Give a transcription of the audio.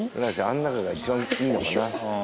あの中が一番いいのかな